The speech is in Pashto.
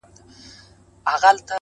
دا غمى اوس له بــازاره دى لوېـدلى؛